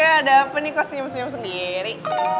ada apa nih kok senyum senyum sendiri